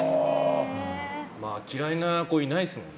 嫌いな子いないですもんね。